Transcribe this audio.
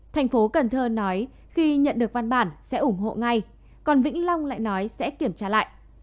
thành phố cần thơ nói khi nhận được văn bản sẽ ủng hộ ngay còn vĩnh long lại nói sẽ kiểm tra lại